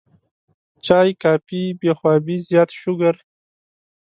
چائے ، کافي ، بې خوابي ، زيات شوګر